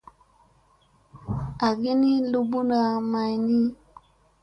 Aŋ ni luɓuna may ni.